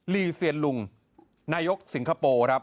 ีเซียนลุงนายกสิงคโปร์ครับ